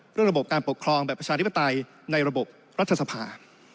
ระบบการปกครองแบบประชาธิปไตยในระบบรัฐสภา